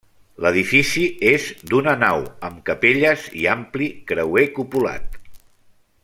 L'edifici és d'una nau amb capelles i ampli creuer cupulat.